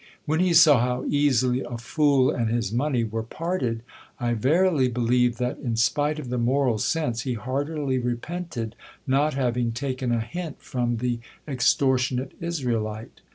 When he saw how easily a fool and his money were parted, I verily believe that in spite of the moral sense, he heartily repented not having taken a hint from 32 GIL BLAS. the extortionate Israelite.